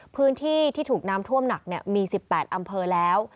พื้นที่ที่ถูกน้ำท่วมหนักมี๑๘อำเภอแล้ว